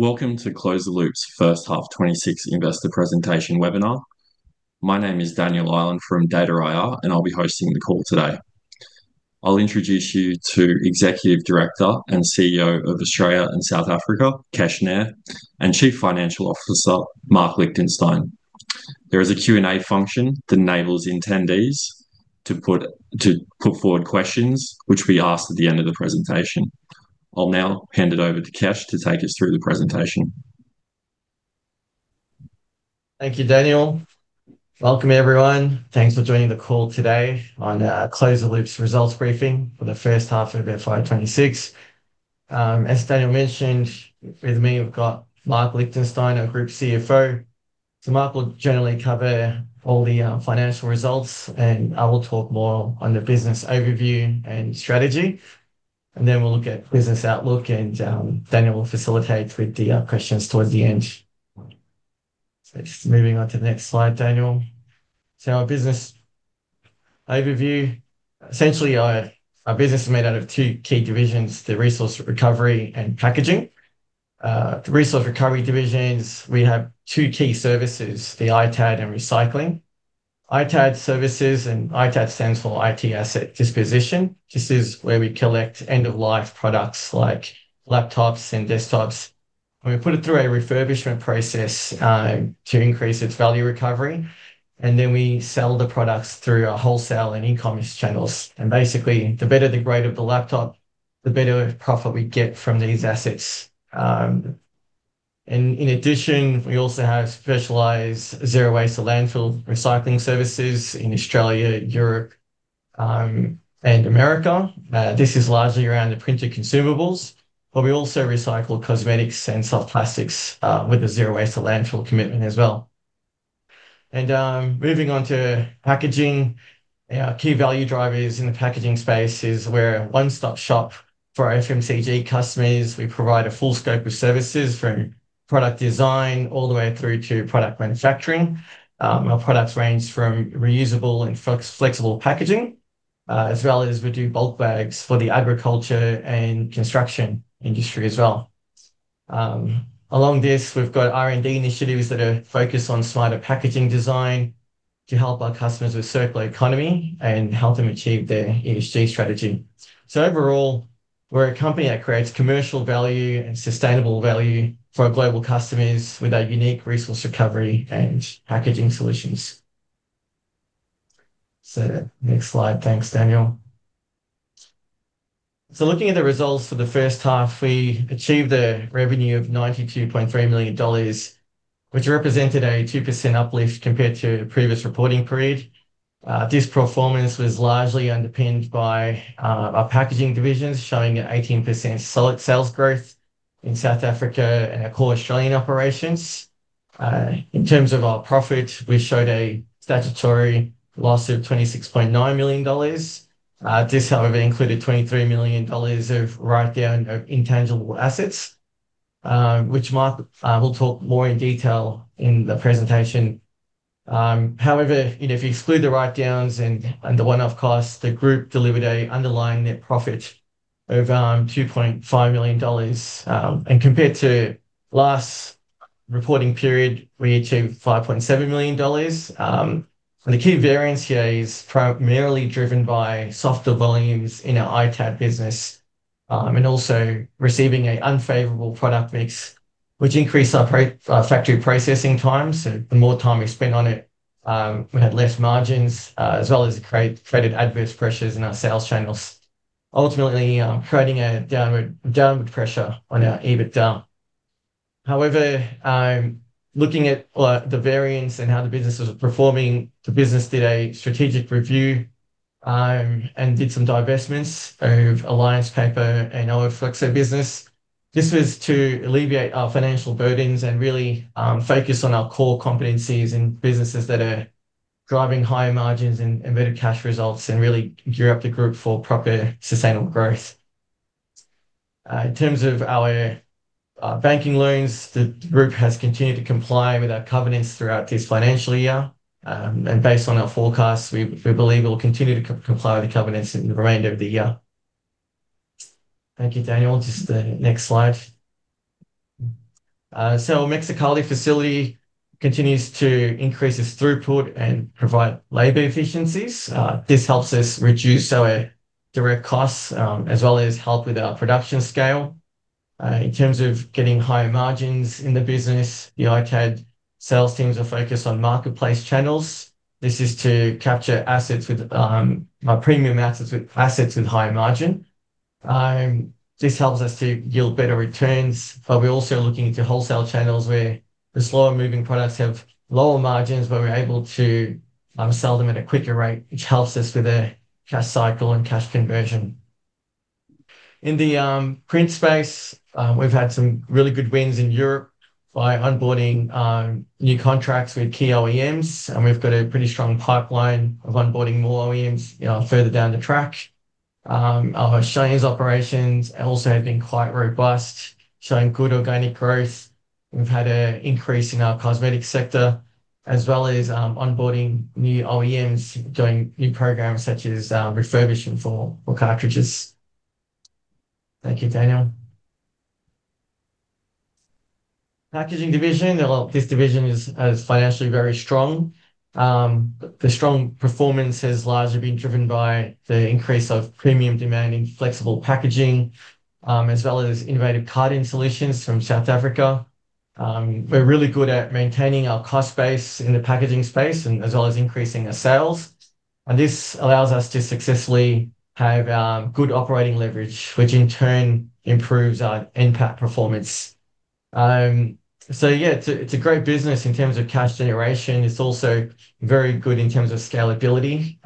Welcome to Close the Loop's first half 2026 investor presentation webinar. My name is Daniel Ireland from DataIR, and I'll be hosting the call today. I'll introduce you to Executive Director and CEO of Australia and South Africa, Kesh Nair, and Chief Financial Officer, Marc Lichtenstein. There is a Q&A function that enables attendees to put forward questions, which will be asked at the end of the presentation. I'll now hand it over to Kesh to take us through the presentation. Thank you, Daniel. Welcome, everyone. Thanks for joining the call today on Close the Loop's results briefing for the first half of FY 2026. As Daniel mentioned, with me, we've got Marc Lichtenstein, our Group CFO. Marc will generally cover all the financial results, and I will talk more on the business overview and strategy. Then we'll look at business outlook, and Daniel will facilitate with the questions towards the end. Just moving on to the next slide, Daniel. Our business overview. Essentially, our business is made out of two key divisions, the resource recovery and packaging. The resource recovery divisions, we have two key services, the ITAD and recycling. ITAD services, and ITAD stands for IT Asset Disposition. This is where we collect end-of-life products like laptops and desktops, we put it through a refurbishment process to increase its value recovery, then we sell the products through our wholesale and e-commerce channels. Basically, the better the grade of the laptop, the better profit we get from these assets. In addition, we also have specialized zero waste to landfill recycling services in Australia, Europe, and America. This is largely around the printer consumables, but we also recycle cosmetics and soft plastics with a zero waste to landfill commitment as well. Moving on to packaging. Our key value drivers in the packaging space is we're a one-stop shop for FMCG customers. We provide a full scope of services, from product design all the way through to product manufacturing. Our products range from reusable and flex, flexible packaging, as well as we do bulk bags for the agriculture and construction industry as well. Along this, we've got R&D initiatives that are focused on smarter packaging design to help our customers with circular economy and help them achieve their ESG strategy. Overall, we're a company that creates commercial value and sustainable value for our global customers with our unique resource recovery and packaging solutions. Next slide. Thanks, Daniel. Looking at the results for the first half, we achieved a revenue of 92.3 million dollars, which represented a 2% uplift compared to the previous reporting period. This performance was largely underpinned by our packaging divisions, showing an 18% solid sales growth in South Africa and our core Australian operations. In terms of our profit, we showed a statutory loss of 2026.9 million dollars. This, however, included 23 million dollars of write-down of intangible assets, which Marc Lichtenstein will talk more in detail in the presentation. However, you know, if you exclude the write-downs and the one-off costs, the group delivered a underlying net profit of 2.5 million dollars. Compared to last reporting period, we achieved 5.7 million dollars. The key variance here is primarily driven by softer volumes in our ITAD business and also receiving a unfavorable product mix, which increased our factory processing time. The more time we spent on it, we had less margins, as well as it created adverse pressures in our sales channels, ultimately, creating a downward, downward pressure on our EBITDA. However, looking at the variance and how the business was performing, the business did a strategic review and did some divestments of Alliance Paper and our Flexo business. This was to alleviate our financial burdens and really focus on our core competencies and businesses that are driving higher margins and better cash results, and really gear up the group for proper sustainable growth. In terms of our banking loans, the group has continued to comply with our covenants throughout this financial year. And based on our forecasts, we believe we'll continue to comply with the covenants in the remainder of the year. Thank you, Daniel. Just the next slide. Mexicali facility continues to increase its throughput and provide labor efficiencies. This helps us reduce our direct costs, as well as help with our production scale. In terms of getting higher margins in the business, the ITAD sales teams are focused on marketplace channels. This is to capture assets with our premium assets with assets with higher margin. This helps us to yield better returns, we're also looking into wholesale channels where the slower-moving products have lower margins, we're able to sell them at a quicker rate, which helps us with the cash cycle and cash conversion. In the print space, we've had some really good wins in Europe by onboarding new contracts with key OEMs, and we've got a pretty strong pipeline of onboarding more OEMs, you know, further down the track. Our Australian operations also have been quite robust, showing good organic growth. We've had an increase in our cosmetic sector as well as onboarding new OEMs, doing new programs such as refurbishment for cartridges. Thank you, Daniel. Packaging division. Well, this division is financially very strong. The strong performance has largely been driven by the increase of premium demand in flexible packaging, as well as innovative carding solutions from South Africa. We're really good at maintaining our cost base in the packaging space, and as well as increasing our sales, and this allows us to successfully have good operating leverage, which in turn improves our NPAT performance. Yeah, it's a, it's a great business in terms of cash generation. It's also very good in terms of scalability.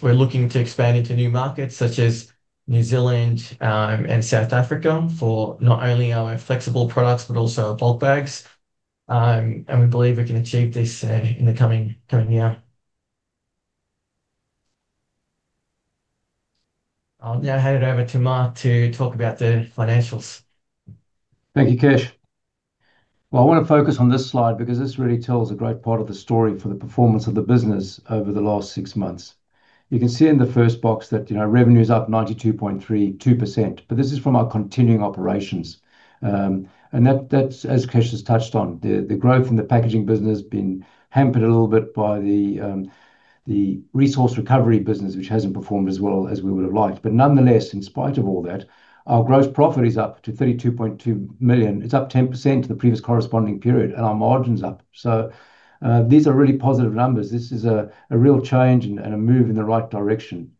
We're looking to expand into new markets such as New Zealand and South Africa for not only our flexible products, but also our bulk bags. We believe we can achieve this in the coming year. I'll now hand it over to Marc to talk about the financials. Thank you, Kesh. Well, I want to focus on this slide because this really tells a great part of the story for the performance of the business over the last six months. You can see in the first box that, you know, revenue is up 92.32%, but this is from our continuing operations. And that's, as Kesh has touched on, the growth in the packaging business has been hampered a little bit by the resource recovery business, which hasn't performed as well as we would have liked. Nonetheless, in spite of all that, our gross profit is up to 32.2 million. It's up 10% to the previous corresponding period, and our margin's up. These are really positive numbers. This is a real change and a move in the right direction.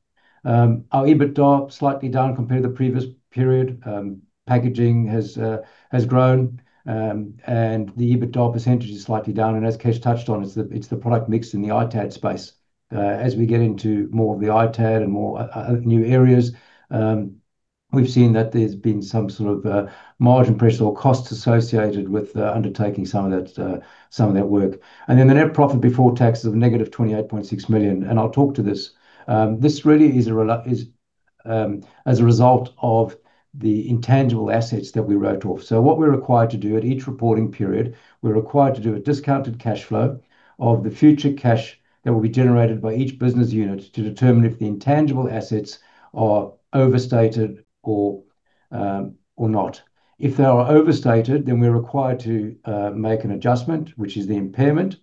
Our EBITDA slightly down compared to the previous period. Packaging has grown, and the EBITDA percentage is slightly down, and as Kesh touched on, it's the, it's the product mix in the ITAD space. As we get into more of the ITAD and more new areas, we've seen that there's been some sort of margin pressure or costs associated with undertaking some of that, some of that work. The net profit before tax is -28.6 million, and I'll talk to this. This really is, as a result of the intangible assets that we wrote off. What we're required to do at each reporting period, we're required to do a discounted cash flow of the future cash that will be generated by each business unit to determine if the intangible assets are overstated or not. If they are overstated, then we're required to make an adjustment, which is the impairment.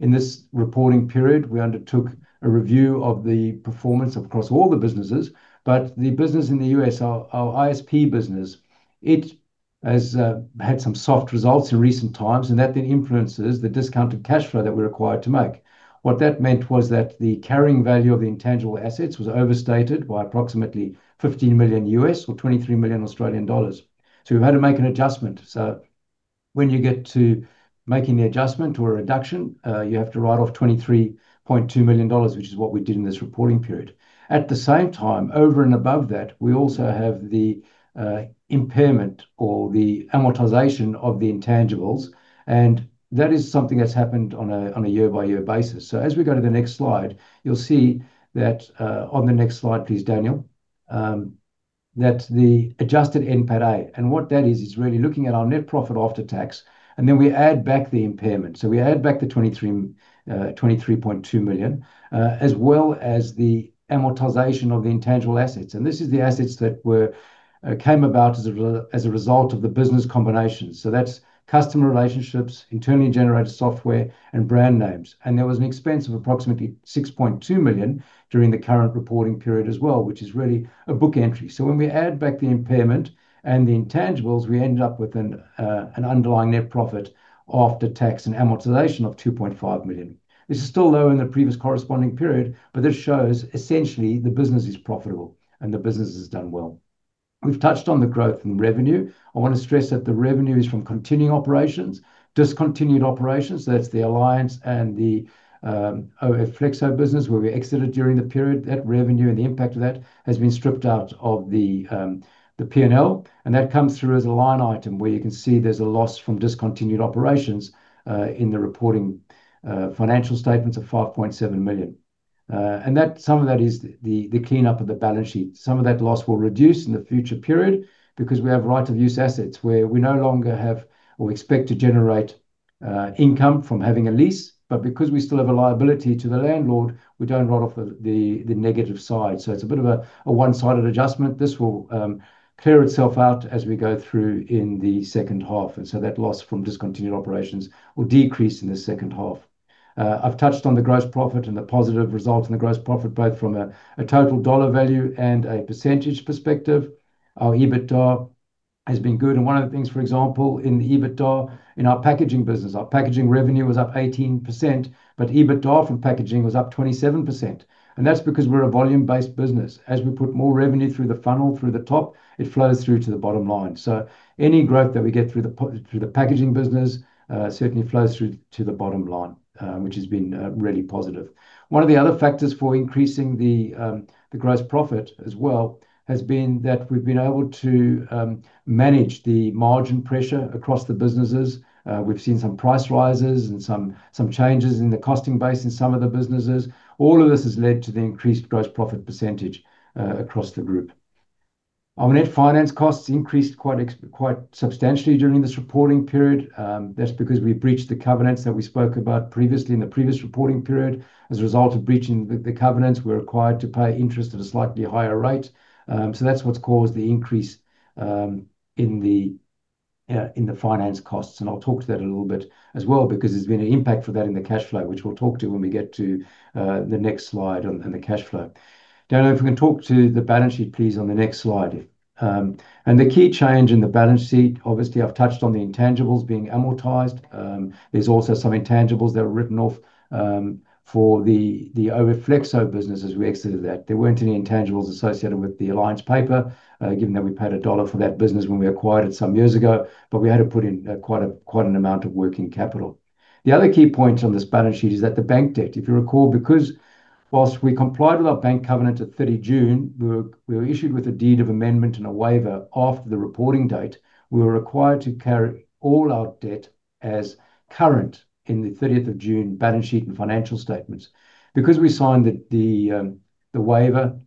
In this reporting period, we undertook a review of the performance across all the businesses, but the business in the U.S., our ISP business, it has had some soft results in recent times, and that then influences the discounted cash flow that we're required to make. What that meant was that the carrying value of the intangible assets was overstated by approximately $15 million or 23 million Australian dollars, so we've had to make an adjustment. When you get to making the adjustment or a reduction, you have to write off 23.2 million dollars, which is what we did in this reporting period. At the same time, over and above that, we also have the impairment or the amortization of the intangibles, and that is something that's happened on a, on a year-by-year basis. As we go to the next slide, you'll see that. On the next slide please, Daniel. That the adjusted NPATA, and what that is, is really looking at our net profit after tax, and then we add back the impairment. We add back the 23.2 million, as well as the amortization of the intangible assets. And this is the assets that were came about as a re- as a result of the business combinations. That's customer relationships, internally generated software, and brand names. There was an expense of approximately 6.2 million during the current reporting period as well, which is really a book entry. When we add back the impairment and the intangibles, we ended up with an underlying net profit after tax and amortization of 2.5 million. This is still low in the previous corresponding period, but this shows essentially the business is profitable, and the business has done well. We've touched on the growth in revenue. I want to stress that the revenue is from continuing operations. Discontinued operations, so that's the Alliance and the O F Flexo business, where we exited during the period. That revenue and the impact of that has been stripped out of the P&L, that comes through as a line item where you can see there's a loss from discontinued operations in the reporting financial statements of 5.7 million. That, some of that is the clean-up of the balance sheet. Some of that loss will reduce in the future period because we have right of use assets where we no longer have or expect to generate income from having a lease, because we still have a liability to the landlord, we don't write off the negative side. It's a bit of a, a one-sided adjustment. This will clear itself out as we go through in the second half, that loss from discontinued operations will decrease in the second half. I've touched on the gross profit and the positive results and the gross profit, both from a total dollar value and a % perspective. Our EBITDA has been good, and one of the things, for example, in EBITDA in our packaging business, our packaging revenue was up 18%, but EBITDA from packaging was up 27%, and that's because we're a volume-based business. As we put more revenue through the funnel, through the top, it flows through to the bottom line. Any growth that we get through the packaging business certainly flows through to the bottom line, which has been really positive. One of the other factors for increasing the gross profit as well, has been that we've been able to manage the margin pressure across the businesses. We've seen some price rises and some, some changes in the costing base in some of the businesses. All of this has led to the increased gross profit percentage across the group. Our net finance costs increased quite substantially during this reporting period. That's because we breached the covenants that we spoke about previously in the previous reporting period. As a result of breaching the covenants, we're required to pay interest at a slightly higher rate. So that's what's caused the increase in the finance costs, and I'll talk to that a little bit as well, because there's been an impact for that in the cash flow, which we'll talk to when we get to the next slide on the cash flow. Daniel, if we can talk to the balance sheet, please, on the next slide. The key change in the balance sheet, obviously, I've touched on the intangibles being amortized. There's also some intangibles that were written off for the O F Flexo business as we exited that. There weren't any intangibles associated with the Alliance Paper, given that we paid AUD 1 for that business when we acquired it some years ago, but we had to put in quite an amount of working capital. The other key point on this balance sheet is that the bank debt, if you recall, because whilst we complied with our bank covenant at 30 June, we were issued with a deed of amendment and a waiver after the reporting date. We were required to carry all our debt as current in the June 30th balance sheet and financial statements. We signed the, the waiver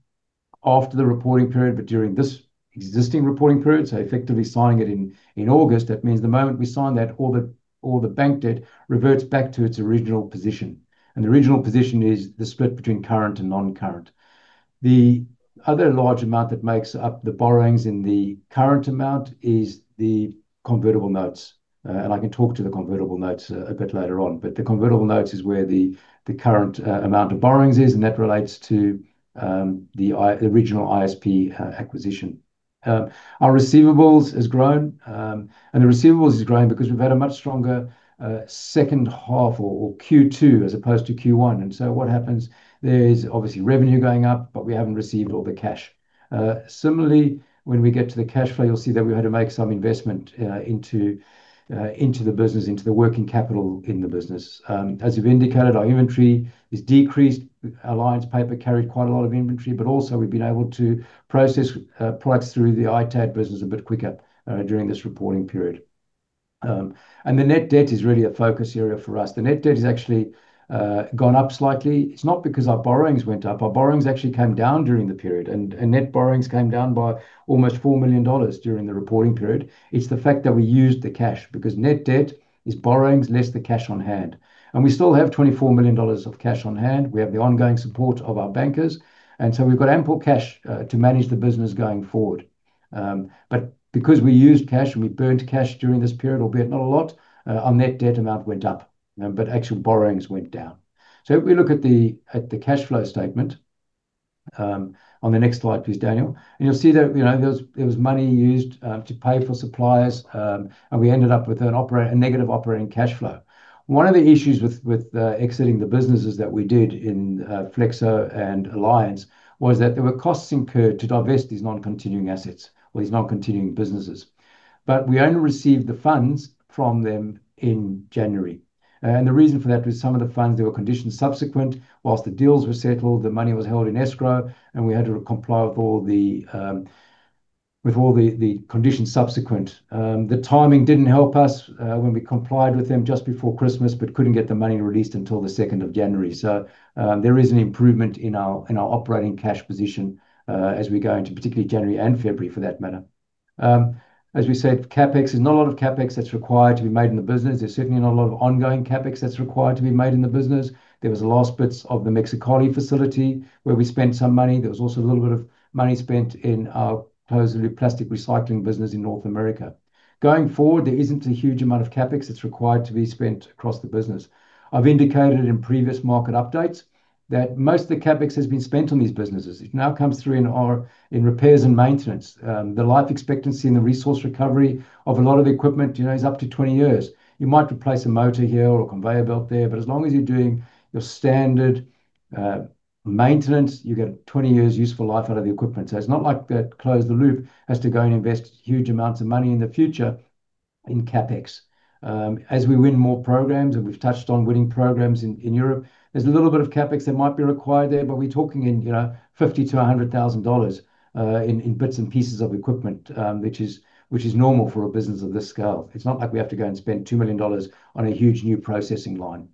after the reporting period, but during this existing reporting period, so effectively signing it in, in August, that means the moment we sign that, all the, all the bank debt reverts back to its original position, and the original position is the split between current and non-current. The other large amount that makes up the borrowings in the current amount is the convertible notes. I can talk to the convertible notes a bit later on, but the convertible notes is where the current amount of borrowings is, and that relates to the original ISP acquisition. Our receivables has grown, and the receivables is growing because we've had a much stronger second half or Q2 as opposed to Q1. What happens there is obviously revenue going up, but we haven't received all the cash. Similarly, when we get to the cash flow, you'll see that we had to make some investment into the business, into the working capital in the business. As we've indicated, our inventory is decreased. Alliance Paper carried quite a lot of inventory, but also we've been able to process products through the ITAD business a bit quicker during this reporting period. The net debt is really a focus area for us. The net debt has actually gone up slightly. It's not because our borrowings went up. Our borrowings actually came down during the period, net borrowings came down by almost 4 million dollars during the reporting period. It's the fact that we used the cash, because net debt is borrowings less the cash on hand, we still have 24 million dollars of cash on hand. We have the ongoing support of our bankers, we've got ample cash to manage the business going forward. Because we used cash and we burned cash during this period, albeit not a lot, our net debt amount went up, but actual borrowings went down. If we look at the, at the cash flow statement, on the next slide, please, Daniel, you know, there was money used to pay for suppliers, and we ended up with a negative operating cash flow. One of the issues with, with exiting the businesses that we did in Flexo and Alliance was that there were costs incurred to divest these non-continuing assets or these non-continuing businesses. We only received the funds from them in January, and the reason for that was some of the funds, there were conditions subsequent. Whilst the deals were settled, the money was held in escrow, and we had to comply with all the conditions subsequent. The timing didn't help us when we complied with them just before Christmas but couldn't get the money released until the second of January. There is an improvement in our in our operating cash position as we go into particularly January and February, for that matter. As we said, CapEx, there's not a lot of CapEx that's required to be made in the business. There's certainly not a lot of ongoing CapEx that's required to be made in the business. There was the last bits of the Mexicali facility where we spent some money. There was also a little bit of money spent in our closed-loop plastic recycling business in North America. Going forward, there isn't a huge amount of CapEx that's required to be spent across the business. I've indicated in previous market updates that most of the CapEx has been spent on these businesses. It now comes through in repairs and maintenance. The life expectancy and the resource recovery of a lot of the equipment, you know, is up to 20 years. You might replace a motor here or a conveyor belt there, but as long as you're doing your standard maintenance, you get 20 years useful life out of the equipment. It's not like that Close the Loop has to go and invest huge amounts of money in the future in CapEx. As we win more programs, and we've touched on winning programs in Europe, there's a little bit of CapEx that might be required there, but we're talking in, you know, $50,000-$100,000 in bits and pieces of equipment, which is normal for a business of this scale. It's not like we have to go and spend $2 million on a huge new processing line.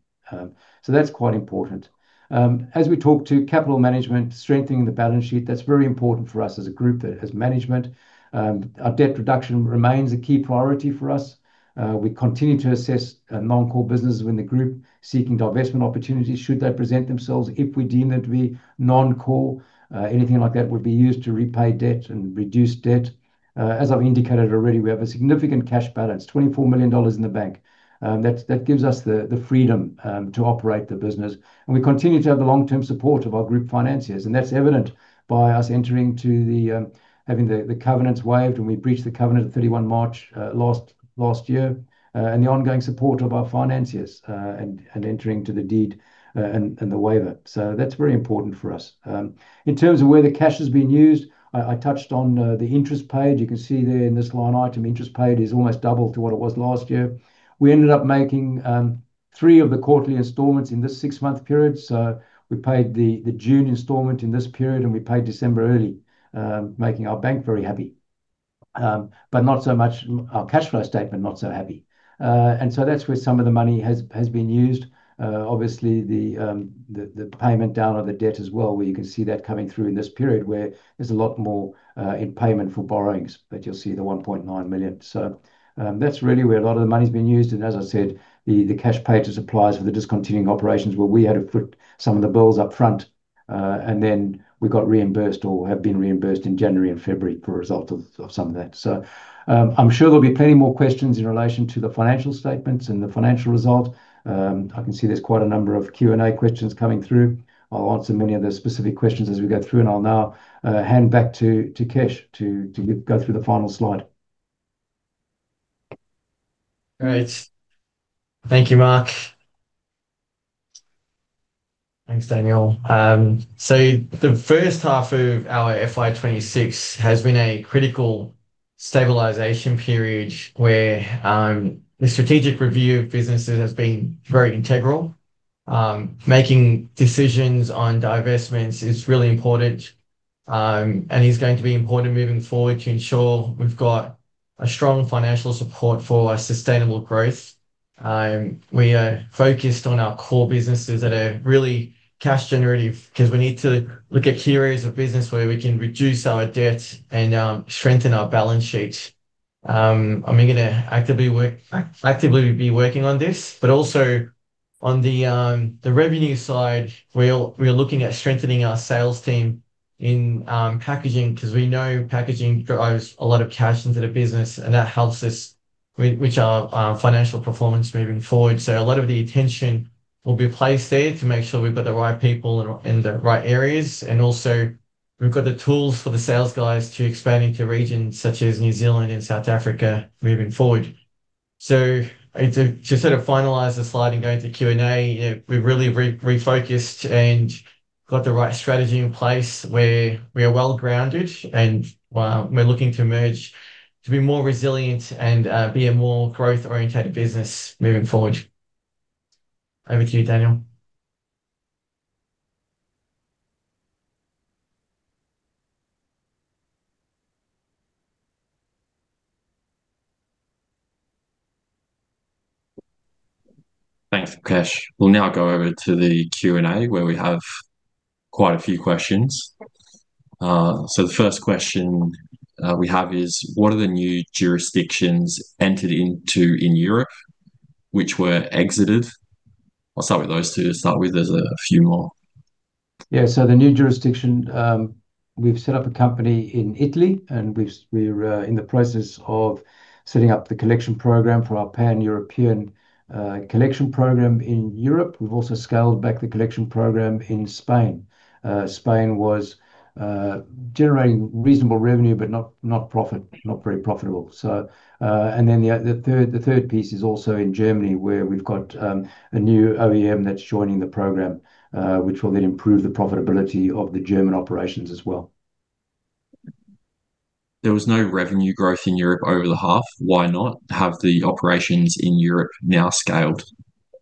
That's quite important. As we talk to capital management, strengthening the balance sheet, that's very important for us as a group, that as management. Our debt reduction remains a key priority for us. We continue to assess non-core businesses in the group seeking divestment opportunities should they present themselves. If we deem that to be non-core, anything like that would be used to repay debt and reduce debt. As I've indicated already, we have a significant cash balance, 24 million dollars in the bank. That, that gives us the freedom to operate the business, and we continue to have the long-term support of our group financiers, and that's evident by us entering to the... Having the, the covenants waived when we breached the covenant on March 31, last, last year, and the ongoing support of our financiers, and, and entering to the deed, and, and the waiver. That's very important for us. In terms of where the cash has been used, I, I touched on, the interest paid. You can see there in this line item, interest paid is almost double to what it was last year. We ended up making, 3 of the quarterly installments in this 6-month period, so we paid the, the June installment in this period, and we paid December early, making our bank very happy. Not so much our cash flow statement, not so happy. That's where some of the money has, has been used. Obviously, the payment down of the debt as well, where you can see that coming through in this period, where there's a lot more in payment for borrowings. You'll see the 1.9 million. That's really where a lot of the money's been used, and as I said, the cash paid to suppliers for the discontinuing operations, where we had to put some of the bills up front, and then we got reimbursed or have been reimbursed in January and February for a result of some of that. I'm sure there'll be plenty more questions in relation to the financial statements and the financial result. I can see there's quite a number of Q&A questions coming through. I'll answer many of the specific questions as we go through. I'll now hand back to Kesh to go through the final slide. All right. Thank you, Marc. Thanks, Daniel. The first half of our FY 2026 has been a critical stabilization period where the strategic review of businesses has been very integral. Making decisions on divestments is really important and is going to be important moving forward to ensure we've got a strong financial support for our sustainable growth. We are focused on our core businesses that are really cash generative, 'cause we need to look at key areas of business where we can reduce our debt and strengthen our balance sheet. We're gonna actively work, actively be working on this, but also on the revenue side, we're, we're looking at strengthening our sales team in packaging, 'cause we know packaging drives a lot of cash into the business, and that helps us with, with our financial performance moving forward. A lot of the attention will be placed there to make sure we've got the right people in, in the right areas, and also we've got the tools for the sales guys to expand into regions such as New Zealand and South Africa moving forward. To, to sort of finalize the slide and go into Q&A, we've really re-refocused and got the right strategy in place, where we are well-grounded and, well, we're looking to emerge to be more resilient and, be a more growth-oriented business moving forward. Over to you, Daniel. Thanks, Kesh. We'll now go over to the Q&A, where we have quite a few questions. The first question we have is, what are the new jurisdictions entered into in Europe, which were exited? I'll start with those two to start with. There's a few more. The new jurisdiction, we've set up a company in Italy, and we've, we're in the process of setting up the collection program for our Pan-European collection program in Europe. We've also scaled back the collection program in Spain. Spain was generating reasonable revenue, but not, not profit. Not very profitable. The, the third, the third piece is also in Germany, where we've got a new OEM that's joining the program, which will then improve the profitability of the German operations as well. There was no revenue growth in Europe over the half. Why not? Have the operations in Europe now scaled?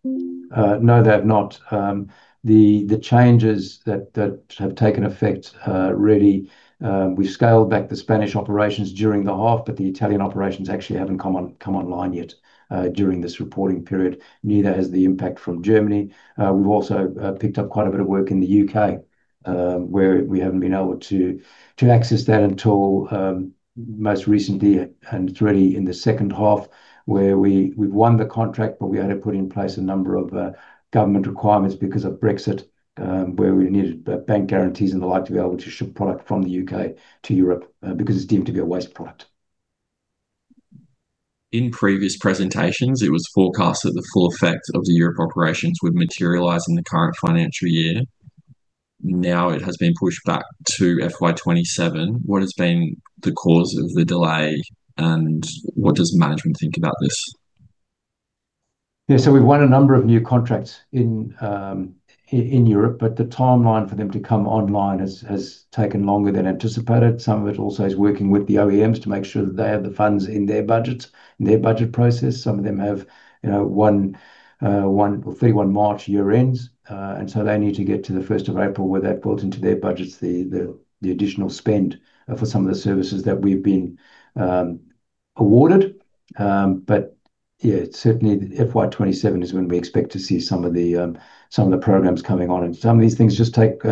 No, they have not. The, the changes that, that have taken effect, really, we've scaled back the Spanish operations during the half, but the Italian operations actually haven't come on, come online yet, during this reporting period. Neither has the impact from Germany. We've also, picked up quite a bit of work in the U.K., where we haven't been able to, to access that until most recently, and it's really in the second half, where we, we've won the contract, but we had to put in place a number of, government requirements because of Brexit, where we needed bank guarantees and the like to be able to ship product from the U.K. to Europe, because it's deemed to be a waste product. In previous presentations, it was forecasted that the full effect of the Europe operations would materialize in the current financial year. Now, it has been pushed back to FY 2027. What has been the cause of the delay, and what does management think about this? Yeah, we've won a number of new contracts in Europe, but the timeline for them to come online has, has taken longer than anticipated. Some of it also is working with the OEMs to make sure that they have the funds in their budgets, in their budget process. Some of them have, you know, March year-ends. They need to get to the first of April, where that built into their budgets, the, the, the additional spend for some of the services that we've been awarded. Yeah, certainly FY 2027 is when we expect to see some of the programs coming on, and some of these things just take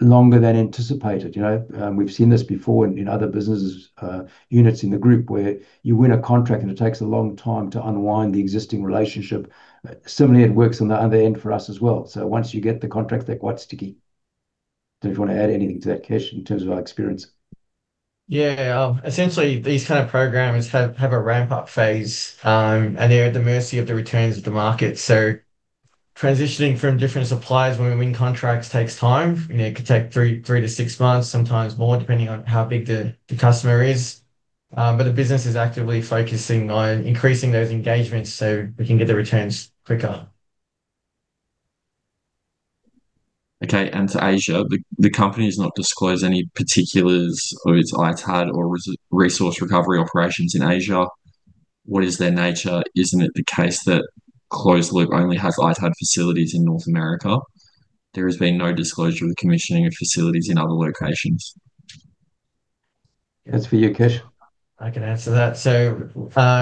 longer than anticipated. You know, we've seen this before in, in other businesses, units in the group, where you win a contract and it takes a long time to unwind the existing relationship. Similarly, it works on the other end for us as well. Once you get the contract, they're quite sticky. Do you want to add anything to that, Kesh, in terms of our experience? Yeah. Essentially, these kind of programs have, have a ramp-up phase, and they're at the mercy of the returns of the market. Transitioning from different suppliers when we win contracts takes time. You know, it could take 3, 3 to 6 months, sometimes more, depending on how big the, the customer is. The business is actively focusing on increasing those engagements so we can get the returns quicker. Okay, to Asia, the company has not disclosed any particulars of its ITAD or resource recovery operations in Asia. What is their nature? Isn't it the case that Close the Loop only has ITAD facilities in North America? There has been no disclosure of the commissioning of facilities in other locations. That's for you, Kesh. I can answer that.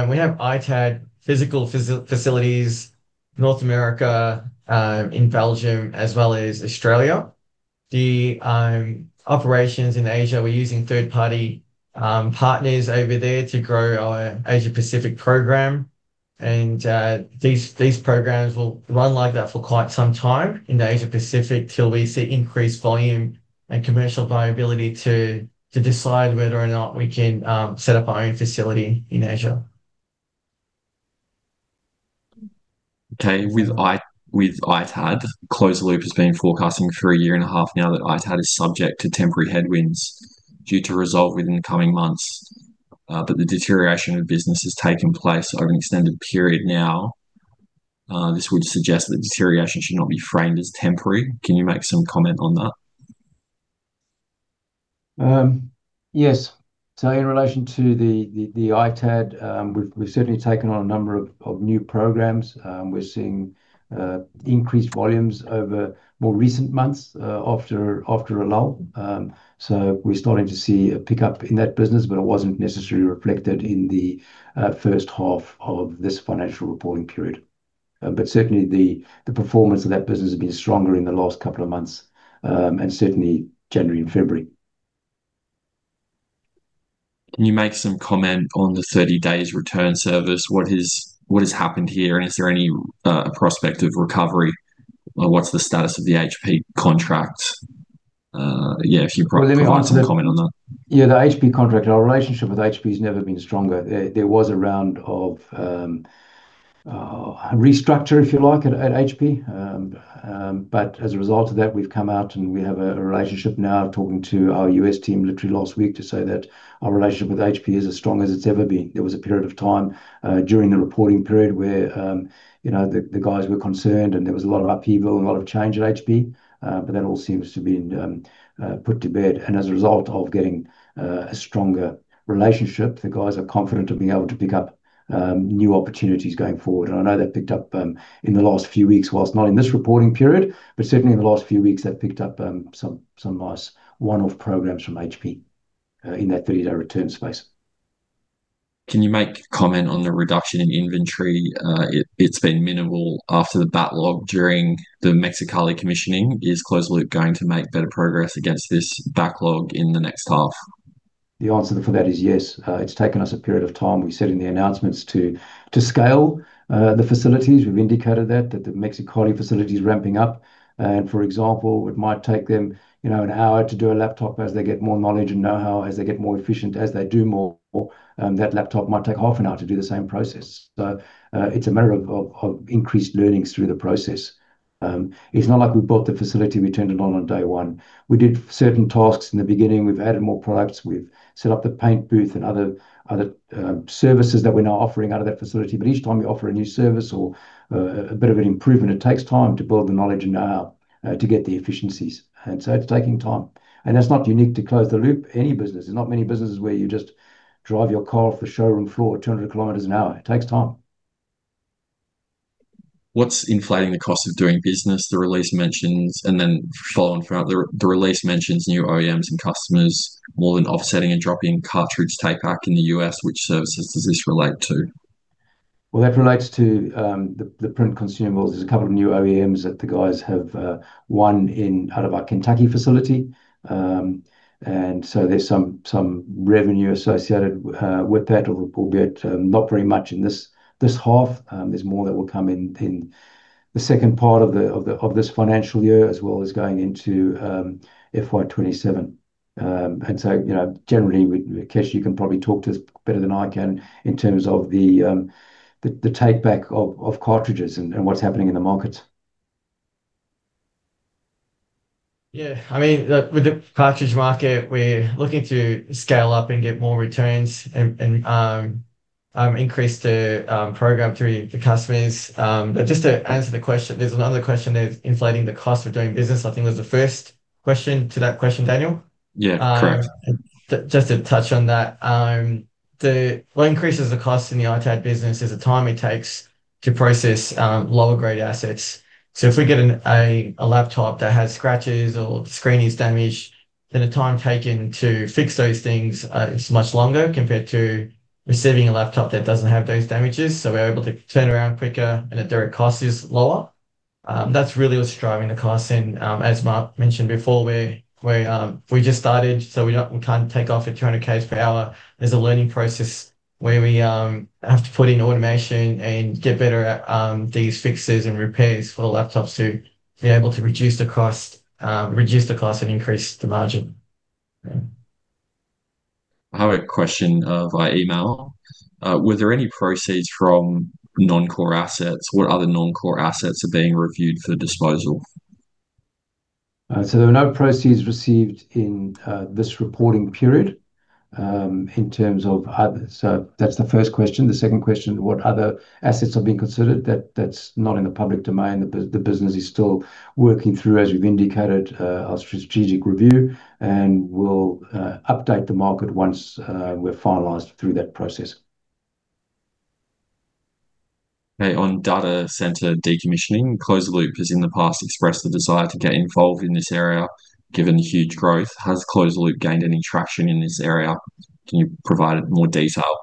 We have ITAD physical facilities, North America, in Belgium, as well as Australia. The operations in Asia, we're using third-party partners over there to grow our Asia Pacific program, these programs will run like that for quite some time in the Asia Pacific till we see increased volume and commercial viability to, to decide whether or not we can set up our own facility in Asia. Okay. With ITAD, Close the Loop has been forecasting for 1.5 years now that ITAD is subject to temporary headwinds due to resolve within the coming months. The deterioration of business has taken place over an extended period now. This would suggest that the deterioration should not be framed as temporary. Can you make some comment on that? Yes. In relation to the ITAD, we've certainly taken on a number of new programs. We're seeing increased volumes over more recent months, after a lull. We're starting to see a pickup in that business, but it wasn't necessarily reflected in the first half of this financial reporting period. Certainly the performance of that business has been stronger in the last couple of months, and certainly January and February. Can you make some comment on the 30 days return service? What has happened here, and is there any prospect of recovery, or what's the status of the HP contract? If you provide some comment on that. Yeah, the HP contract, our relationship with HP has never been stronger. There, there was a round of restructure, if you like, at HP. As a result of that, we've come out, and we have a relationship now, talking to our U.S. team literally last week, to say that our relationship with HP is as strong as it's ever been. There was a period of time during the reporting period where, you know, the, the guys were concerned, and there was a lot of upheaval and a lot of change at HP. That all seems to have been put to bed, and as a result of getting a stronger relationship, the guys are confident of being able to pick up new opportunities going forward. I know they've picked up in the last few weeks, whilst not in this reporting period, but certainly in the last few weeks, they've picked up some, some nice one-off programs from HP in that 30-day return space. Can you make comment on the reduction in inventory? It's been minimal after the backlog during the Mexicali commissioning. Is Close the Loop going to make better progress against this backlog in the next half? The answer to for that is yes. It's taken us a period of time. We said in the announcements to scale the facilities. We've indicated that the Mexicali facility is ramping up, and, for example, it might take them, you know, an hour to do a laptop. As they get more knowledge and know-how, as they get more efficient, as they do more, that laptop might take half an hour to do the same process. It's a matter of increased learnings through the process. It's not like we bought the facility, and we turned it on on day 1. We did certain tasks in the beginning. We've added more products. We've set up the paint booth and other services that we're now offering out of that facility. Each time we offer a new service or a bit of an improvement, it takes time to build the knowledge and know-how to get the efficiencies, and so it's taking time. That's not unique to Close the Loop, any business. There's not many businesses where you just drive your car off the showroom floor at 200 km an hour. It takes time. What's inflating the cost of doing business? The release mentions, and then follow on from that, the release mentions new OEMs and customers more than offsetting and dropping cartridge take-back in the US. Which services does this relate to? Well, that relates to the print consumables. There's a couple of new OEMs that the guys have won in out of our Kentucky facility. There's some revenue associated with that, albeit not very much in this half. There's more that will come in, in the second part of the financial year, as well as going into FY 2027. You know, generally, Kesh, you can probably talk to this better than I can in terms of the takeback of cartridges and what's happening in the markets. Yeah, I mean, look, with the cartridge market, we're looking to scale up and get more returns and, and, increase the program through the customers. Just to answer the question, there's another question there, inflating the cost of doing business, I think was the first question to that question, Daniel? Yeah, correct. Just to touch on that, what increases the cost in the ITAD business is the time it takes to process lower-grade assets. If we get a laptop that has scratches or the screen is damaged, then the time taken to fix those things is much longer compared to receiving a laptop that doesn't have those damages. We're able to turn around quicker, and the direct cost is lower. That's really what's driving the cost, and as Marc mentioned before, we just started, so we can't take off at 200 Ks per hour. There's a learning process where we have to put in automation and get better at these fixes and repairs for the laptops to be able to reduce the cost, reduce the cost and increase the margin. Yeah. I have a question via email. Were there any proceeds from non-core assets? What other non-core assets are being reviewed for disposal? There were no proceeds received in this reporting period. That's the first question. The second question, what other assets are being considered? That's not in the public domain. The business is still working through, as we've indicated, our strategic review, and we'll update the market once we've finalized through that process.... Hey, on data center decommissioning, Close the Loop has in the past expressed the desire to get involved in this area, given the huge growth. Has Close the Loop gained any traction in this area? Can you provide more detail?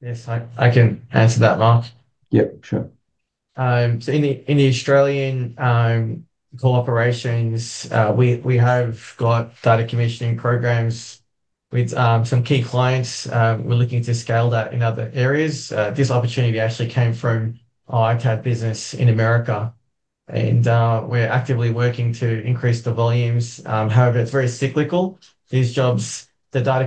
Yes, I, I can answer that, Marc. Yeah, sure. In the, in the Australian corporations, we, we have got data decommissioning programs with some key clients. We're looking to scale that in other areas. This opportunity actually came from our ITAD business in America, we're actively working to increase the volumes. However, it's very cyclical. These jobs, the data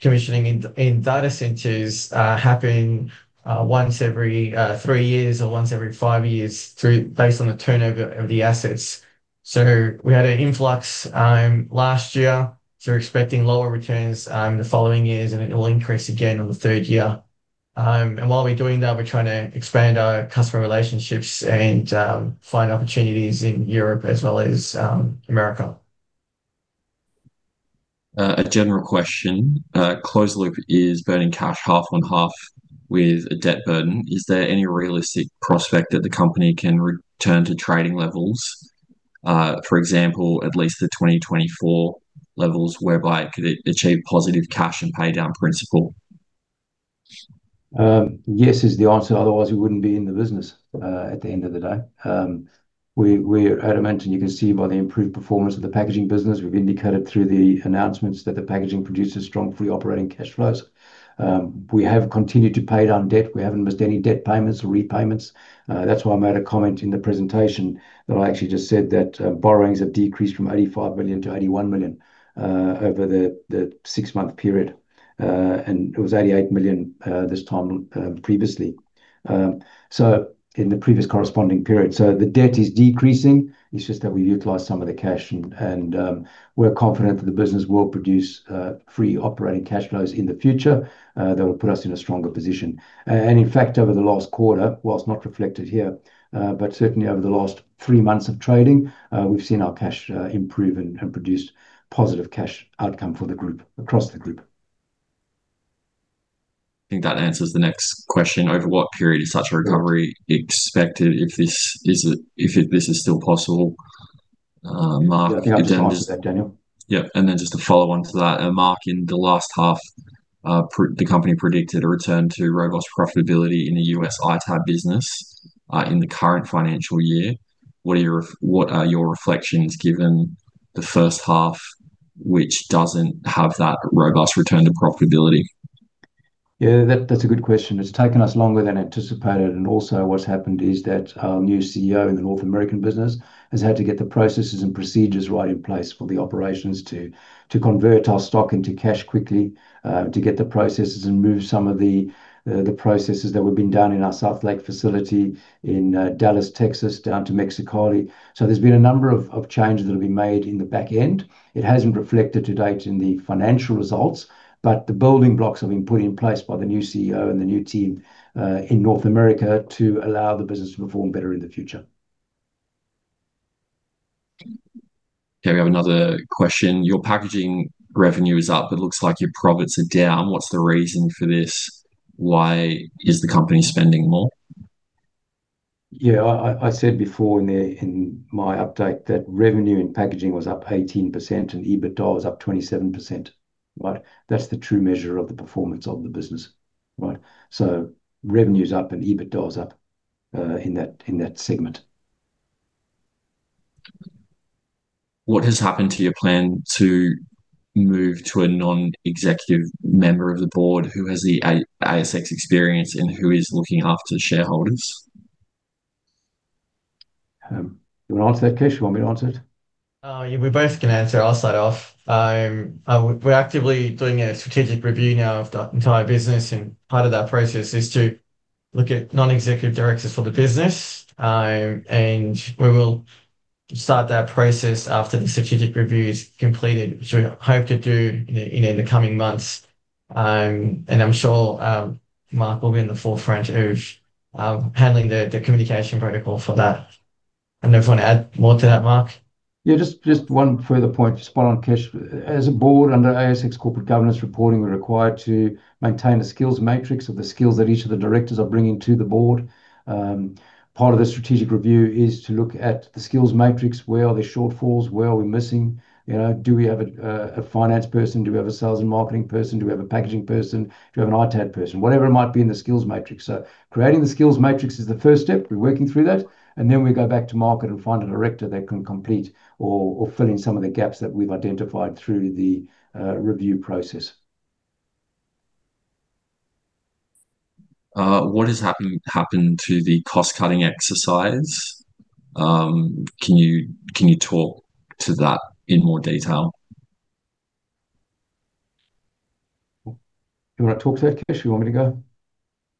commissioning in data centers, happen once every 3 years or once every 5 years through, based on the turnover of the assets. We had an influx last year, we're expecting lower returns in the following years, and it will increase again in the third year. While we're doing that, we're trying to expand our customer relationships and find opportunities in Europe as well as America. A general question. Close the Loop is burning cash half on half with a debt burden. Is there any realistic prospect that the company can return to trading levels, for example, at least the 2024 levels, whereby it could achieve positive cash and pay down principle? Yes, is the answer, otherwise, we wouldn't be in the business at the end of the day. We, we're adamant, and you can see by the improved performance of the packaging business, we've indicated through the announcements that the packaging produces strong free operating cash flows. We have continued to pay down debt. We haven't missed any debt payments or repayments. That's why I made a comment in the presentation that I actually just said that borrowings have decreased from 85 million-81 million over the 6-month period. It was 88 million this time previously. In the previous corresponding period. The debt is decreasing, it's just that we've utilized some of the cash, and we're confident that the business will produce free operating cash flows in the future that will put us in a stronger position. In fact, over the last quarter, while it's not reflected here, but certainly over the last 3 months of trading, we've seen our cash improve and, and produce positive cash outcome for the group, across the group. I think that answers the next question. Over what period is such a recovery expected if this is, if this is still possible? Marc- I think I can answer that, Daniel. Yeah. Then just to follow on to that, and Marc, in the last half, pre- the company predicted a return to robust profitability in the U.S. ITAD business, in the current financial year. What are your reflections, given the first half, which doesn't have that robust return to profitability? Yeah, that, that's a good question. It's taken us longer than anticipated, and also what's happened is that our new CEO in the North American business has had to get the processes and procedures right in place for the operations to, to convert our stock into cash quickly, to get the processes and move some of the processes that were being done in our Southlake facility in Dallas, Texas, down to Mexicali. There's been a number of changes that have been made in the back end. It hasn't reflected to date in the financial results, the building blocks have been put in place by the new CEO and the new team in North America to allow the business to perform better in the future. Okay, we have another question. Your packaging revenue is up, it looks like your profits are down. What's the reason for this? Why is the company spending more? Yeah, I, I, I said before in the, in my update, that revenue in packaging was up 18% and EBITDA was up 27%. Right? That's the true measure of the performance of the business, right? Revenue's up and EBITDA is up in that, in that segment. What has happened to your plan to move to a non-executive member of the board who has the ASX experience and who is looking after shareholders? You wanna answer that, Kesh? You want me to answer it? Yeah, we both can answer. I'll start off. We're actively doing a strategic review now of the entire business, and part of that process is to look at non-executive directors for the business. We will start that process after the strategic review is completed, which we hope to do in, in the coming months. I'm sure Marc will be in the forefront of handling the communication protocol for that. I don't know if you want to add more to that, Marc. Yeah, just, just one further point. Spot on, Kesh. As a board, under ASX Corporate Governance reporting, we're required to maintain a skills matrix of the skills that each of the directors are bringing to the board. Part of the strategic review is to look at the skills matrix. Where are the shortfalls? Where are we missing? You know, do we have a, a finance person? Do we have a sales and marketing person? Do we have a packaging person? Do we have an ITAD person? Whatever it might be in the skills matrix. Creating the skills matrix is the first step. We're working through that, and then we go back to market and find a director that can complete or, or fill in some of the gaps that we've identified through the review process. What has happened, happened to the cost-cutting exercise? Can you, can you talk to that in more detail? You want to talk to that, Kesh, or you want me to go?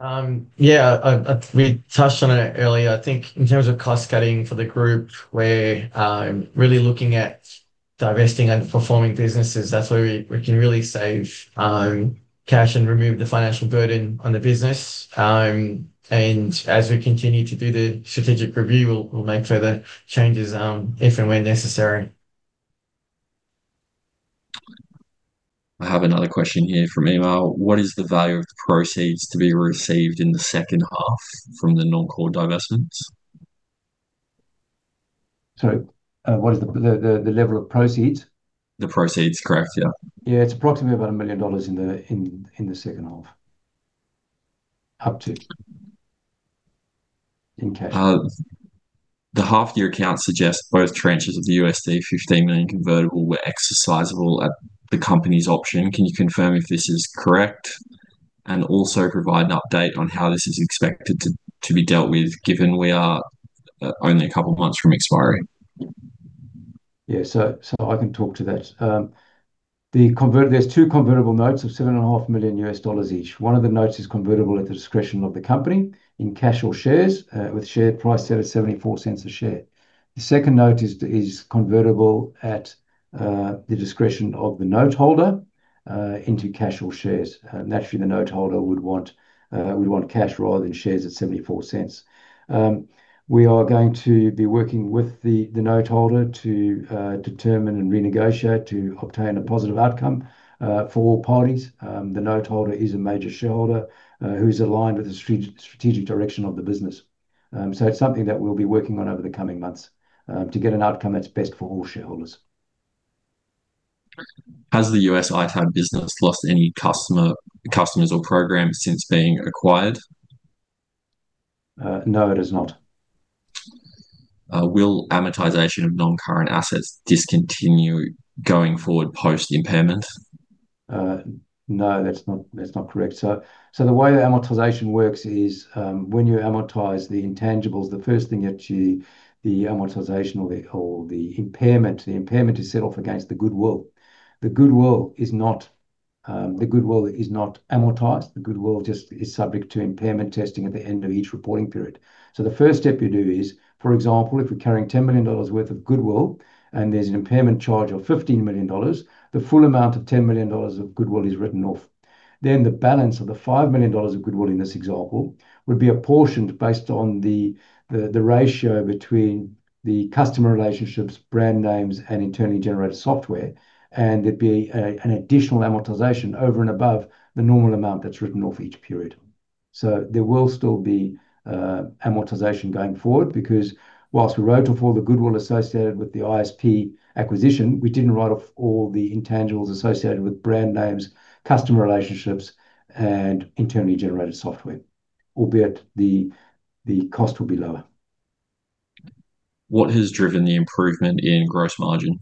Yeah, I, I, we touched on it earlier. I think in terms of cost cutting for the group, we're really looking at divesting and performing businesses. That's where we, we can really save cash and remove the financial burden on the business. As we continue to do the strategic review, we'll make further changes if and when necessary. I have another question here from email. What is the value of the proceeds to be received in the second half from the non-core divestments? What is the level of proceeds? The proceeds, correct. Yeah. Yeah, it's approximately about 1 million dollars in the second half, up to in cash. The half-year account suggests both tranches of the $15 million convertible were exercisable at the company's option. Can you confirm if this is correct, and also provide an update on how this is expected to be dealt with, given we are only a couple of months from expiry? Yeah. So I can talk to that. There's two convertible notes of $7.5 million each. One of the notes is convertible at the discretion of the company in cash or shares, with share price set at $0.74 a share. The second note is, is convertible at the discretion of the note holder, into cash or shares. Naturally, the note holder would want cash rather than shares at $0.74. We are going to be working with the note holder to determine and renegotiate to obtain a positive outcome for all parties. The note holder is a major shareholder who's aligned with the strategic direction of the business. It's something that we'll be working on over the coming months to get an outcome that's best for all shareholders. Has the U.S. ITAD business lost any customer, customers or programs since being acquired? No, it has not. Will amortization of non-current assets discontinue going forward post-impairment? No, that's not, that's not correct. The way amortization works is, when you amortize the intangibles, the first thing that you the amortization or the, or the impairment, the impairment is set off against the goodwill. The goodwill is not, the goodwill is not amortized. The goodwill just is subject to impairment testing at the end of each reporting period. The first step you do is, for example, if we're carrying $10 million worth of goodwill and there's an impairment charge of $15 million, the full amount of $10 million of goodwill is written off. The balance of the 5 million dollars of goodwill in this example, would be apportioned based on the ratio between the customer relationships, brand names, and internally generated software, and there'd be an additional amortization over and above the normal amount that's written off each period. There will still be amortization going forward, because whilst we wrote off all the goodwill associated with the ISP acquisition, we didn't write off all the intangibles associated with brand names, customer relationships, and internally generated software, albeit the cost will be lower. What has driven the improvement in gross margin?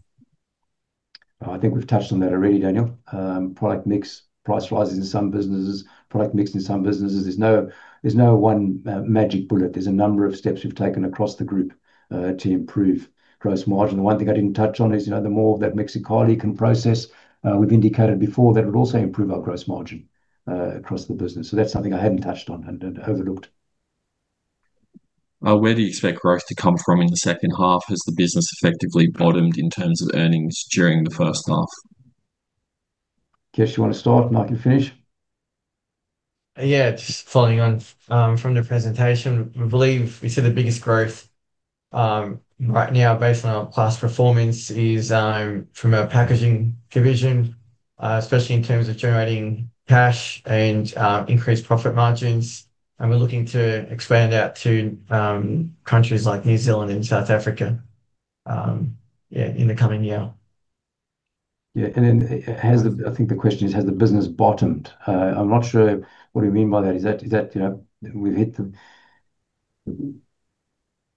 I think we've touched on that already, Daniel. Product mix, price rises in some businesses, product mix in some businesses. There's no, there's no one magic bullet. There's a number of steps we've taken across the group to improve gross margin. The one thing I didn't touch on is, you know, the more of that Mexicali can process, we've indicated before that it would also improve our gross margin across the business. That's something I hadn't touched on and, and overlooked. Where do you expect growth to come from in the second half? Has the business effectively bottomed in terms of earnings during the first half? Kesh, you want to start, and Marc, you finish? Yeah, just following on from the presentation. We believe we see the biggest growth right now, based on our past performance, is from a packaging division, especially in terms of generating cash and increased profit margins. We're looking to expand out to countries like New Zealand and South Africa, yeah, in the coming year. Yeah, then, I think the question is, has the business bottomed? I'm not sure what do you mean by that. Is that, is that, you know, we've hit the...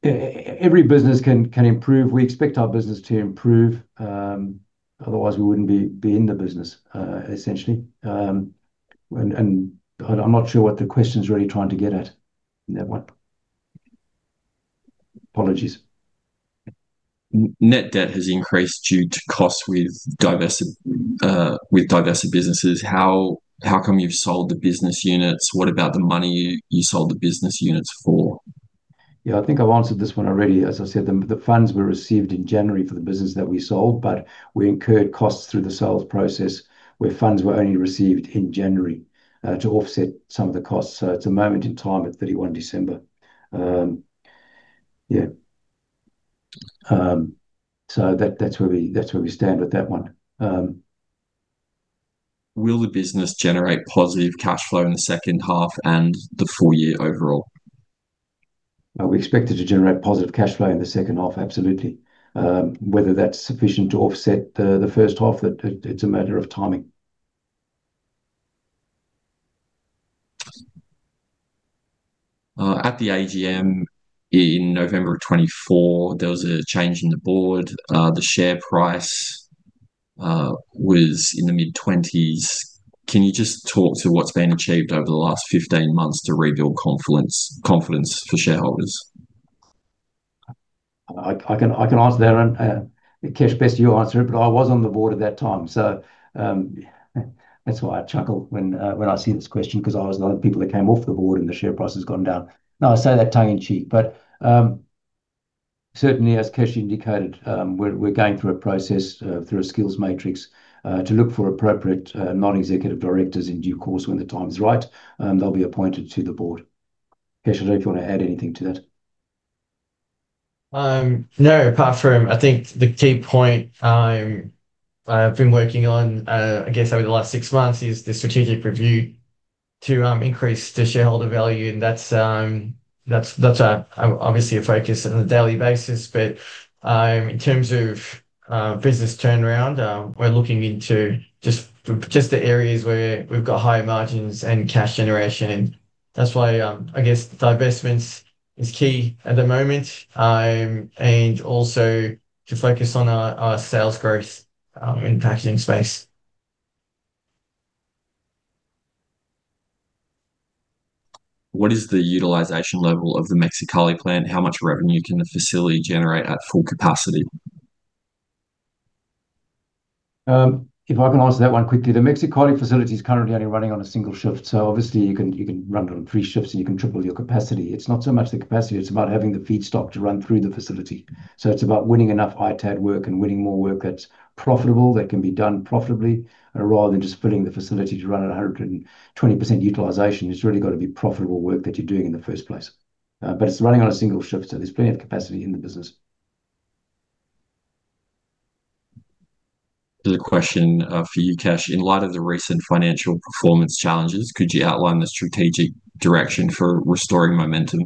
Every business can improve. We expect our business to improve, otherwise we wouldn't be in the business, essentially. And I'm not sure what the question is really trying to get at in that one. Apologies. Net debt has increased due to costs with divested, with divested businesses. How, how come you've sold the business units? What about the money you, you sold the business units for? Yeah, I think I've answered this one already. As I said, the funds were received in January for the business that we sold, but we incurred costs through the sales process, where funds were only received in January, to offset some of the costs. It's a moment in time at December 31. Yeah. So that's where we stand with that one. Will the business generate positive cash flow in the second half and the full year overall? We expect it to generate positive cash flow in the second half, absolutely. Whether that's sufficient to offset the, the first half, it, it, it's a matter of timing. At the AGM in November of 2024, there was a change in the board. The share price was in the mid-twenties. Can you just talk to what's been achieved over the last 15 months to rebuild confidence for shareholders? I, I can, I can answer that one, Kesh, best you answer it, but I was on the board at that time, so, that's why I chuckle when, when I see this question, 'cause I was one of the people that came off the board and the share price has gone down. No, I say that tongue in cheek, but, certainly, as Kesh indicated, we're, we're going through a process, through a skills matrix, to look for appropriate, non-executive directors in due course when the time is right, they'll be appointed to the board. Kesh, I don't know if you want to add anything to that? No, apart from, I think the key point I'm, I've been working on, I guess over the last 6 months is the strategic review to increase the shareholder value, and that's, that's, that's, obviously a focus on a daily basis. In terms of business turnaround, we're looking into just, just the areas where we've got higher margins and cash generation. That's why, I guess divestments is key at the moment, and also to focus on our, our sales growth, in packaging space. What is the utilization level of the Mexicali plant? How much revenue can the facility generate at full capacity? If I can answer that one quickly. The Mexicali facility is currently only running on a single shift, obviously you can, you can run it on 3 shifts, and you can triple your capacity. It's not so much the capacity, it's about having the feedstock to run through the facility. It's about winning enough ITAD work and winning more work that's profitable, that can be done profitably. Rather than just filling the facility to run at 120% utilization, it's really got to be profitable work that you're doing in the first place. It's running on a single shift, there's plenty of capacity in the business. There's a question, for you, Kesh. In light of the recent financial performance challenges, could you outline the strategic direction for restoring momentum?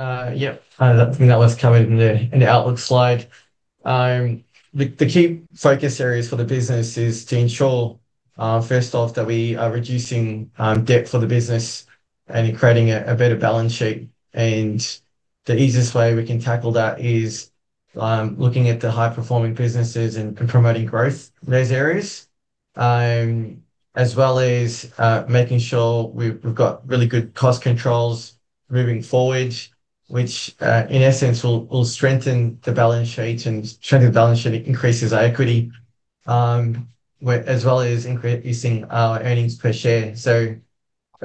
Yep. I think that was covered in the, in the outlook slide. The key focus areas for the business is to ensure first off, that we are reducing debt for the business and creating a better balance sheet. The easiest way we can tackle that is looking at the high-performing businesses and promoting growth in those areas. As well as making sure we've got really good cost controls moving forward, which in essence, will strengthen the balance sheet and strengthen the balance sheet increases our equity, as well as increasing our earnings per share.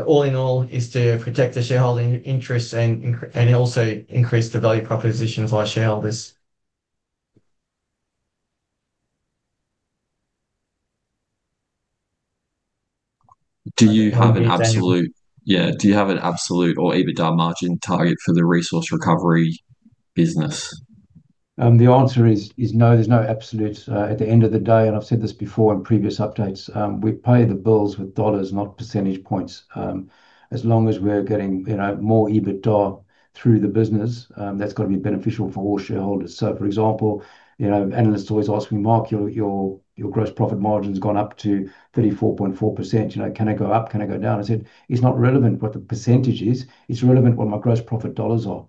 All in all, is to protect the shareholder interests and also increase the value propositions for our shareholders. Yeah, do you have an absolute or EBITDA margin target for the resource recovery business? The answer is, is no, there's no absolute. At the end of the day, I've said this before in previous updates, we pay the bills with AUD, not percentage points. As long as we're getting, you know, more EBITDA through the business, that's got to be beneficial for all shareholders. For example, you know, analysts always ask me, "Marc, your, your, your gross profit margin's gone up to 34.4%. You know, can I go up? Can I go down?" I said, "It's not relevant what the percentage is, it's relevant what my gross profit AUD are."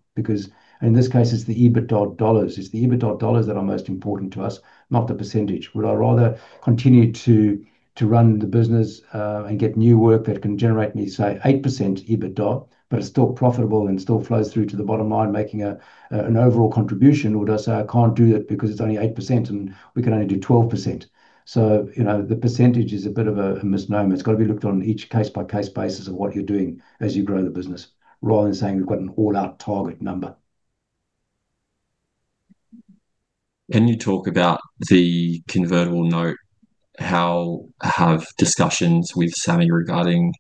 In this case, it's the EBITDA AUD. It's the EBITDA AUD that are most important to us, not the percentage. Would I rather continue to run the business, and get new work that can generate me, say, 8% EBITDA, but it's still profitable and still flows through to the bottom line, making an overall contribution, or do I say, I can't do that because it's only 8% and we can only do 12%? You know, the percentage is a bit of a misnomer. It's got to be looked on each case-by-case basis of what you're doing as you grow the business, rather than saying you've got an all-out target number. Can you talk about the convertible note? How have discussions with Sammy regarding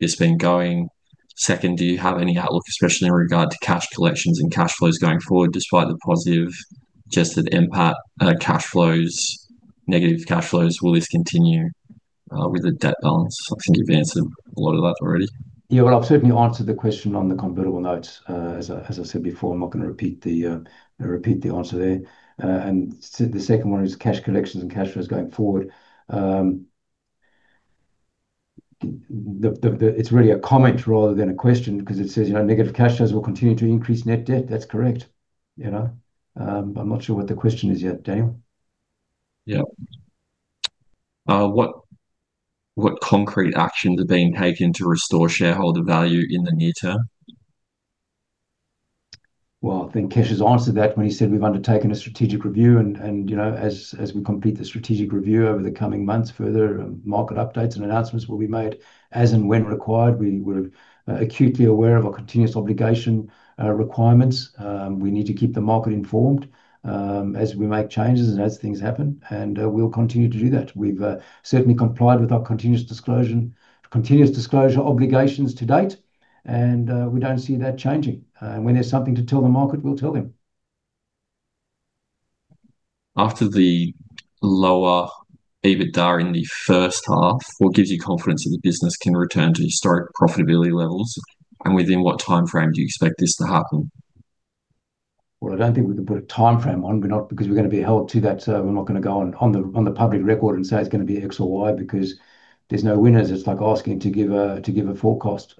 this been going? Second, do you have any outlook, especially in regard to cash collections and cash flows going forward, despite the positive adjusted NPAT, cash flows, negative cash flows? Will this continue with the debt balance? I think you've answered a lot of that already. Yeah, well, I've certainly answered the question on the convertible notes. As I, as I said before, I'm not gonna repeat the repeat the answer there. The second one is cash collections and cash flows going forward. It's really a comment rather than a question because it says, you know, negative cash flows will continue to increase net debt. That's correct. You know, I'm not sure what the question is here, Daniel. Yeah. What, what concrete actions are being taken to restore shareholder value in the near term? Well, I think Kesh has answered that when he said we've undertaken a strategic review and, and, you know, as, as we complete the strategic review over the coming months, further market updates and announcements will be made as and when required. We're, we're acutely aware of our continuous obligation requirements. We need to keep the market informed as we make changes and as things happen, and we'll continue to do that. We've certainly complied with our continuous disclosure, continuous disclosure obligations to date, and we don't see that changing. When there's something to tell the market, we'll tell them. After the lower EBITDA in the first half, what gives you confidence that the business can return to historic profitability levels, and within what time frame do you expect this to happen? Well, I don't think we can put a time frame on. We're gonna be held to that, so we're not gonna go on, on the public record and say it's gonna be X or Y because there's no winners. It's like asking to give a forecast.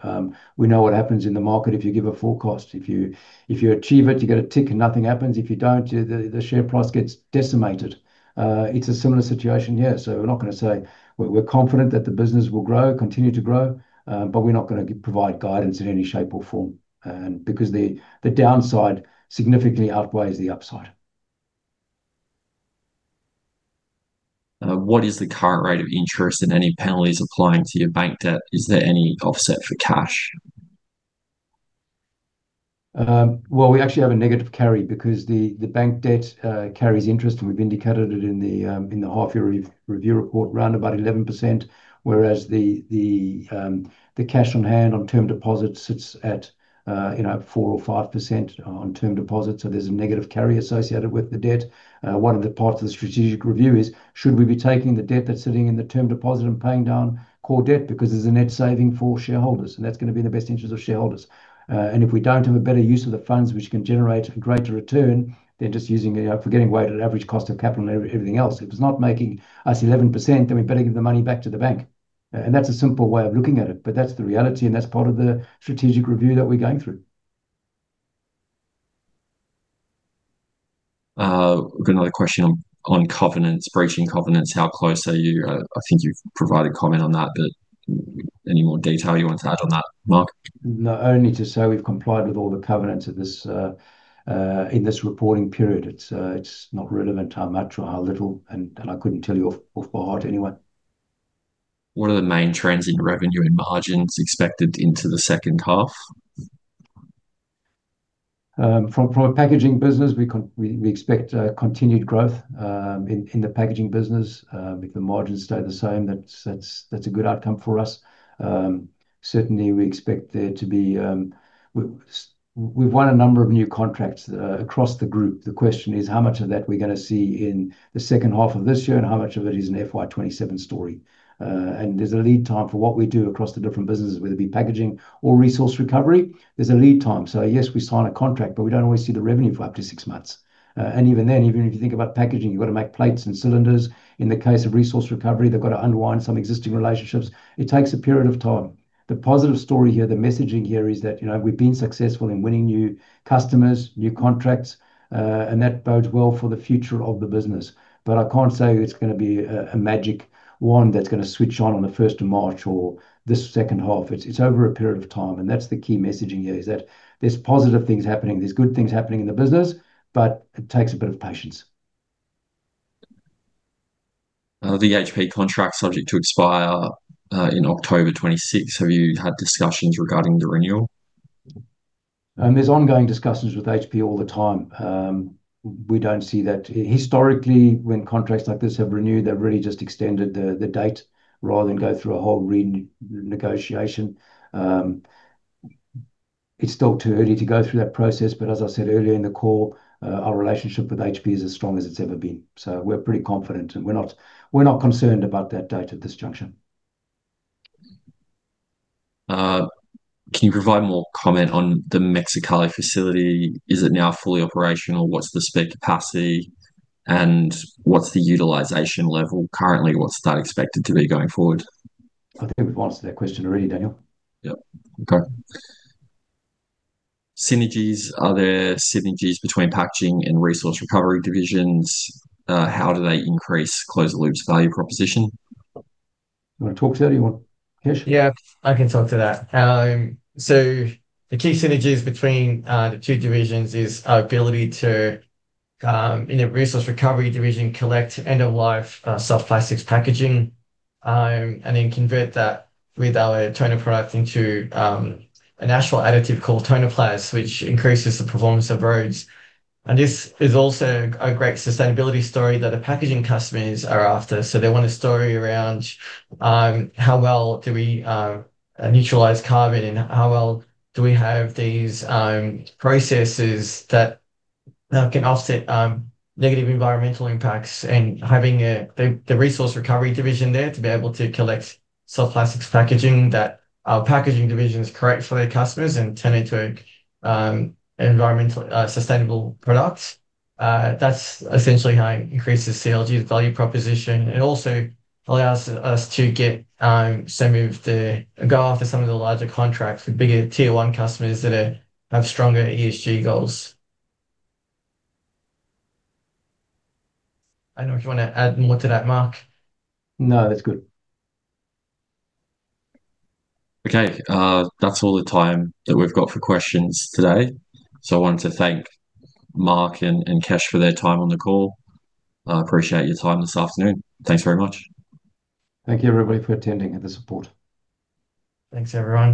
We know what happens in the market if you give a forecast. If you achieve it, you get a tick, and nothing happens. If you don't, the share price gets decimated. It's a similar situation here, so we're not gonna say we're confident that the business will grow, continue to grow, but we're not gonna provide guidance in any shape or form, and because the downside significantly outweighs the upside. What is the current rate of interest and any penalties applying to your bank debt? Is there any offset for cash? Well, we actually have a negative carry because the bank debt carries interest, and we've indicated it in the review report, around about 11%, whereas the cash on hand on term deposits sits at, you know, 4% or 5% on term deposits. There's a negative carry associated with the debt. One of the parts of the strategic review is, should we be taking the debt that's sitting in the term deposit and paying down core debt? There's a net saving for shareholders, and that's gonna be in the best interest of shareholders. If we don't have a better use of the funds, which can generate a greater return than just using, you know, if we're getting weighted average cost of capital and everything else, if it's not making us 11%, then we better give the money back to the bank. That's a simple way of looking at it, but that's the reality, and that's part of the strategic review that we're going through. We've got another question on, on covenants, breaching covenants. How close are you? I think you've provided comment on that, but any more detail you want to add on that, Marc? No, only to say we've complied with all the covenants of this in this reporting period. It's not relevant how much or how little, and I couldn't tell you off by heart anyway. What are the main trends in revenue and margins expected into the second half? From, from a packaging business, we, we expect continued growth in, in the packaging business. If the margins stay the same, that's, that's, that's a good outcome for us. Certainly, we expect there to be... We've, we've won a number of new contracts across the group. The question is, how much of that we're gonna see in the second half of this year, and how much of it is an FY 2027 story? There's a lead time for what we do across the different businesses, whether it be packaging or resource recovery. There's a lead time. Yes, we sign a contract, but we don't always see the revenue for up to six months. Even then, even if you think about packaging, you've got to make plates and cylinders. In the case of resource recovery, they've got to unwind some existing relationships. It takes a period of time. The positive story here, the messaging here, is that, you know, we've been successful in winning new customers, new contracts, and that bodes well for the future of the business. I can't say it's gonna be a magic wand that's gonna switch on, on the first of March or this second half. It's over a period of time, and that's the key messaging here, is that there's positive things happening, there's good things happening in the business, but it takes a bit of patience. The HP contract subject to expire in October 2026. Have you had discussions regarding the renewal? There's ongoing discussions with HP all the time. We don't see that. Historically, when contracts like this have renewed, they've really just extended the date rather than go through a whole re-negotiation. It's still too early to go through that process, but as I said earlier in the call, our relationship with HP is as strong as it's ever been. We're pretty confident, and we're not concerned about that date at this juncture. Can you provide more comment on the Mexicali facility? Is it now fully operational? What's the spec capacity, and what's the utilization level currently? What's that expected to be going forward? I think we've answered that question already, Daniel. Yep. Okay. Synergies. Are there synergies between packaging and resource recovery divisions? How do they increase Close the Loop's value proposition? You want to talk to that, or you want Kesh? Yeah, I can talk to that. The key synergies between the two divisions is our ability to, in a resource recovery division, collect end-of-life soft plastics packaging, and then convert that with our toner product into a natural additive called TonerPlas, which increases the performance of roads. This is also a great sustainability story that the packaging customers are after. They want a story around how well do we neutralize carbon, and how well do we have these processes that can offset negative environmental impacts, and having a, the, the resource recovery division there to be able to collect soft plastics packaging that our packaging division is correct for their customers and turn into an environmental, sustainable product. That's essentially how it increases CLG's value proposition. It also allows us to get, go after some of the larger contracts with bigger Tier 1 customers that, have stronger ESG goals. I don't know if you want to add more to that, Marc. No, that's good. Okay, that's all the time that we've got for questions today. I wanted to thank Marc and, and Kesh for their time on the call. I appreciate your time this afternoon. Thanks very much. Thank you, everybody, for attending and the support. Thanks, everyone.